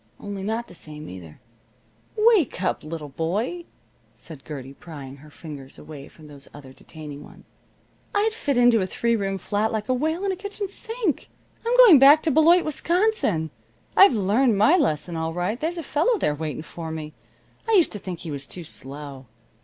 Only not the same, either." "Wake up, little boy," said Gertie, prying her fingers away from those other detaining ones. "I'd fit into a three room flat like a whale in a kitchen sink. I'm going back to Beloit, Wisconsin. I've learned my lesson all right. There's a fellow there waiting for me. I used to think he was too slow.